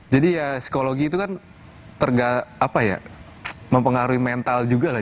jadi ya psikologi itu kan terg apa ya mempengaruhi mental juga lah